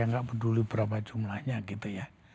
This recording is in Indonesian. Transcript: yang gak peduli berapa jumlahnya gitu ya